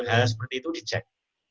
hal seperti itu di cek